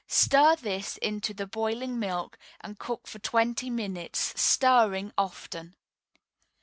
Stir this into the boiling milk, and cook for twenty minutes, stirring often.